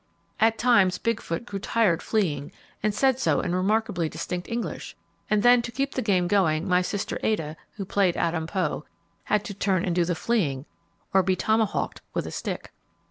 At times Big Foot grew tired fleeing, and said so in remarkably distinct English, and then to keep the game going, my sister Ada, who played Adam Poe, had to turn and do the fleeing or be tomahawked with a stick.